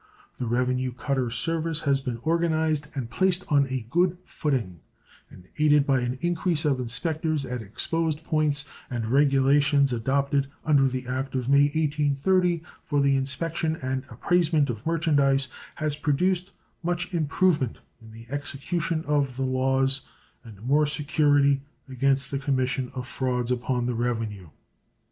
The Revenue Cutter Service has been organized and placed on a good footing, and aided by an increase of inspectors at exposed points, and regulations adopted under the act of May, 1830, for the inspection and appraisement of merchandise, has produced much improvement in the execution of the laws and more security against the commission of frauds upon the revenue.